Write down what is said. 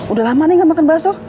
udah lama nih gak makan bakso